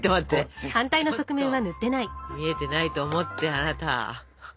ちょっと見えてないと思ってあなた。